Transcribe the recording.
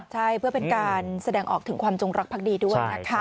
ใช่เพื่อเป็นการแสดงออกถึงความจงรักภักดีด้วยนะคะ